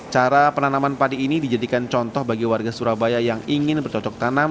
cara penanaman padi ini dijadikan contoh bagi warga surabaya yang ingin bercocok tanam